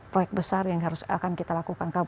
proyek besar yang harus akan kita lakukan